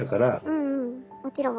うんうんもちろん。